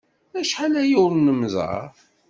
Acḥal aya ur nemmẓer.